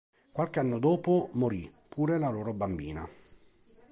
Qualche anno dopo morì pure la loro bambina.